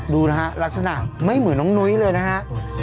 ดูนะฮะลักษณะไม่เหมือนน้องนุ้ยเลยนะฮะ